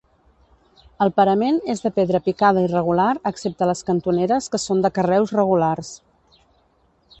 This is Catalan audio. El parament és de pedra picada irregular excepte les cantoneres que són de carreus regulars.